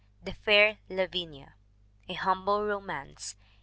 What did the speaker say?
The Fair Lavinia. A Humble Romance, 1887.